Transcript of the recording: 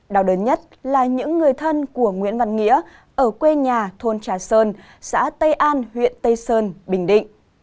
đau đớn nhất là những người thân của nguyễn văn nghĩa ở quê nhà thôn trà sơn xã tây an huyện tây sơn bình định